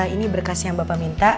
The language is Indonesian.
ini berkas yang bapak minta